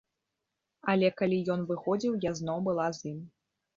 Але калі ён выходзіў, я зноў была з ім.